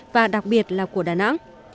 và đặc biệt là của đà nẵng